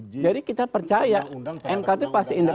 jadi kita percaya mk itu pasti indah